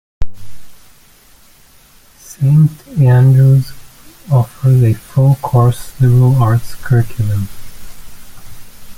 Saint Andrew's offers a full course liberal arts curriculum.